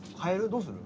どうする？